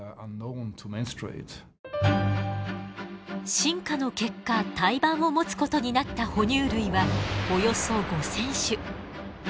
進化の結果胎盤を持つことになったほ乳類はおよそ５，０００種。